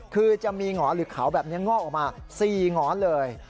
คือจะมีหงอนหรือขาวแบบนี้งอกออกมา๔หงอนเลย